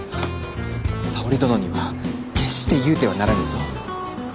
沙織殿には決して言うてはならぬぞ。